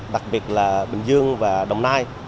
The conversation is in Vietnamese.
đặc biệt là bình dương và đồng nai